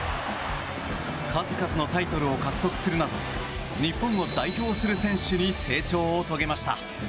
数々のタイトルを獲得するなど日本を代表する選手に成長を遂げました。